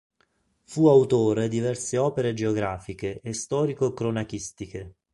Fu autore diverse opere geografiche e storico-cronachistiche.